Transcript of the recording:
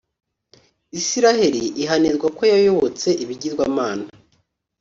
Israheli ihanirwa ko yayobotse ibigirwamana